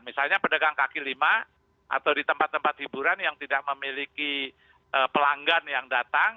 misalnya pedagang kaki lima atau di tempat tempat hiburan yang tidak memiliki pelanggan yang datang